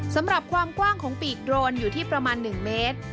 สำหรับความกว้างของปีกโดรนอยู่ที่ประมาณ๑เมตร